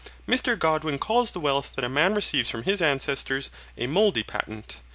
(Mr Godwin calls the wealth that a man receives from his ancestors a mouldy patent.